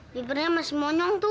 bibernya masih monyong tuh